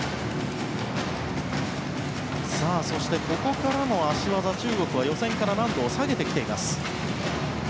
そして、ここからの脚技中国は予選から難度を下げてきています。